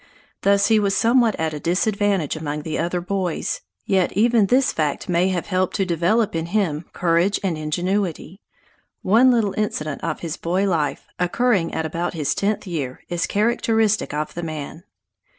Thus he was somewhat at a disadvantage among the other boys; yet even this fact may have helped to develop in him courage and ingenuity. One little incident of his boy life, occurring at about his tenth year, is characteristic of the man.